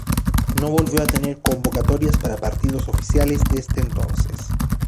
No volvió a tener convocatorias para partidos oficiales desde entonces.